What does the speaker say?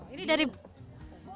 ini dari padang